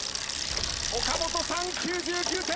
岡本さん９９点。